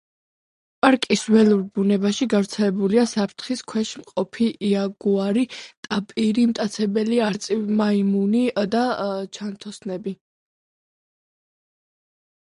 პარკის ველურ ბუნებაში გავრცელებულია საფრთხის ქვეშ მყოფი იაგუარი, ტაპირი, მტაცებელი არწივი მაიმუნი და ჩანთოსნები.